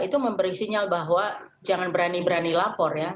itu memberi sinyal bahwa jangan berani berani lapor ya